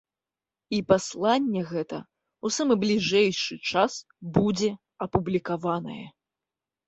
І пасланне гэта ў самы бліжэйшы час будзе апублікаванае.